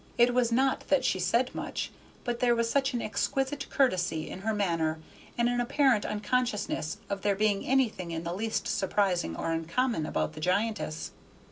It was not that she said much, but there was such an exquisite courtesy in her manner, and an apparent unconsciousness of there being anything in the least surprising or uncommon about the giantess.